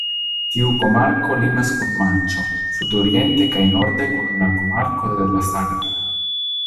Tiu komarko limas kun Manĉo sudoriente kaj norde kun la komarko de la Sagra.